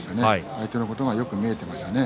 相手のことがよく見えていましたね。